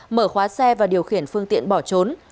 mở khóa xe và điều khiển phương tiện bỏ trốn